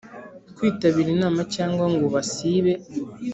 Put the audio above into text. kwitabira inama cyangwa ngo basibe